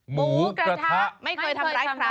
หมูกระทะไม่เคยทำร้ายพระ